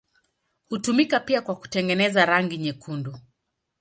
Hutumika pia kwa kutengeneza rangi nyekundu.